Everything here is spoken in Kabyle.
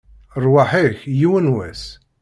Rrwaḥ-ik, yiwen n wass!